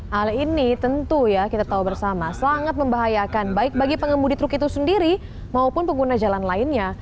hal ini tentu ya kita tahu bersama sangat membahayakan baik bagi pengemudi truk itu sendiri maupun pengguna jalan lainnya